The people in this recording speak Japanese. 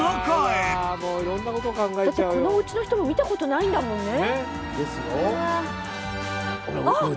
このおうちの人も見たことないんだもんね。